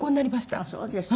ああそうですか。